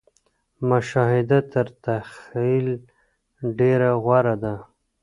مشاهده تر تخيل ډېره غوره ده.